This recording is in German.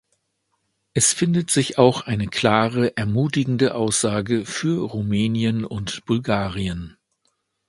Es findet sich auch eine klare, ermutigende Aussage für Rumänien und Bulgarien.